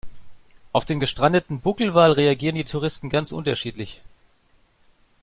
Auf den gestrandeten Buckelwal reagieren die Touristen ganz unterschiedlich.